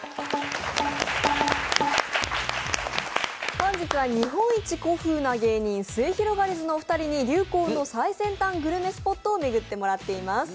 本日は日本一古風な芸人、すゑひろがりずのお二人に流行の最先端グルメスポットを巡ってもらっています。